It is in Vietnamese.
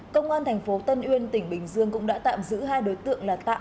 công an thành phố tân uyên tỉnh bình dương cũng đã tạm giữ hai đối tượng là tạ